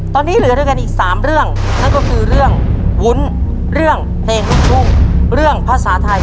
ตอนนี้เหลือด้วยกันอีก๓เรื่องนั่นก็คือเรื่องวุ้นเรื่องเพลงลูกทุ่งเรื่องภาษาไทย